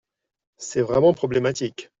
C’est vraiment problématique.